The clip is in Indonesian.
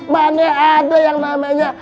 mana ada yang namanya